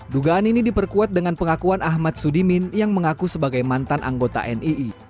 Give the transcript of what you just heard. dugaan ini diperkuat dengan pengakuan ahmad sudimin yang mengaku sebagai mantan anggota nii